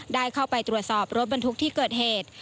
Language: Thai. ได้เข้าไปตรวจสอบรถบรรทุกที่เกิดเหตุ